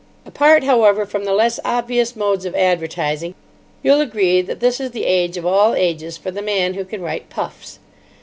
"Apart, however, from the less obvious modes of advertising, you'll agree that this is the age of all ages for the man who can write puffs.